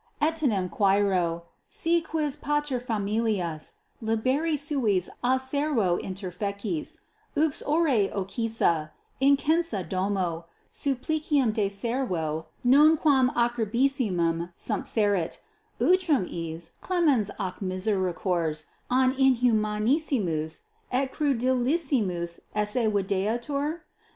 Etenim quaero, si quis pater familias, liberis suis a servo interfectis, uxore occisa, incensa domo, supplicium de servo non quam acerbissimum sumpserit, utrum is clemens ac misericors an inhumanissimus et crudelissimus esse videatur?